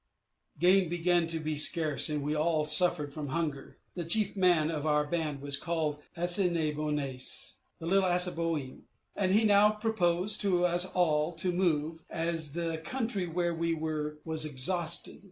Game began to be scarce, and we all suffered from hunger. The chief man of our band was called As sin ne boi nainse (the Little Assinneboin), and he now proposed to us all to move, as the country where we were was exhausted.